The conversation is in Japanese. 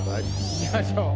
いきましょう。